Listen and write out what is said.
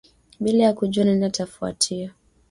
Bila ya kujua nani atafuatia